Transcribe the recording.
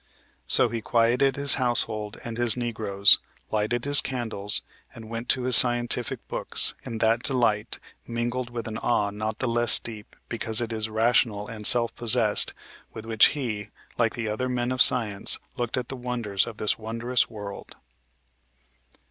So he quieted his household and his negroes, lighted his candles, and went to his scientific books, in that delight, mingled with an awe not the less deep, because it is rational and self possessed, with which he, like the other men of science, looked at the wonders of this wondrous world."